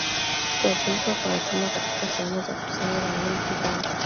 kuwapeleka kama watumwa katika sehemu za kusini za milki zao